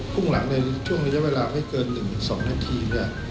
่งหลังในช่วงระยะเวลาไม่เกิน๑๒นาทีเนี่ย